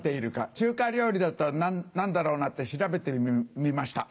中華料理だったら何だろうな？って調べてみました。